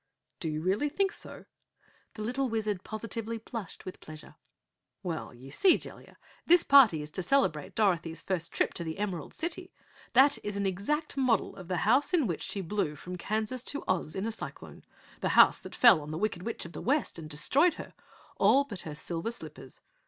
"Do you really think so?" The little Wizard positively blushed with pleasure. "Well, ye see, Jellia, this party is to celebrate Dorothy's first trip to the Emerald City. That is an exact model of the house in which she blew from Kansas to Oz in a cyclone, the house that fell on the wicked witch of the West and destroyed her all but her silver slippers.